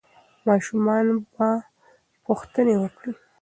ماشومان به پوښتنې وکړي.